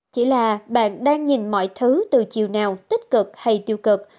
chỉ là bạn đang nhìn mọi thứ từ chiều nào tích cực hay tiêu cực